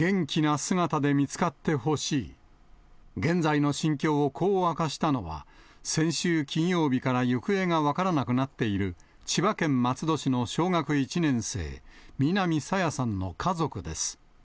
現在の心境をこう明かしたのは、先週金曜日から行方が分からなくなっている、千葉県松戸市の小学１年生、南朝芽さんの家族です。